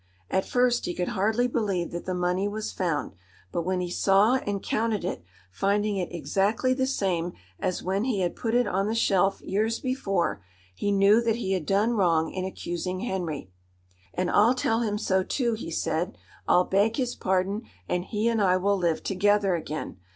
At first he could hardly believe that the money was found, but when he saw and counted it, finding it exactly the same as when he had put it on the shelf years before, he knew that he had done wrong in accusing Henry. "And I'll tell him so, too," he said. "I'll beg his pardon, and he and I will live together again.